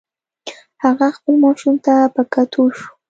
هغه خپل ماشوم ته په کتو شو.